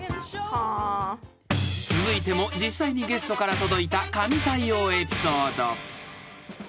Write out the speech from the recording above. ［続いても実際にゲストから届いた神対応エピソード］